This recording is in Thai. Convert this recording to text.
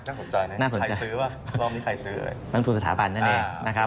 ยังสนุนใจนะใครซื้อว่ะรอบนี้ใครซื้อเลยน่าสนุนสถาบันนั่นเองนะครับ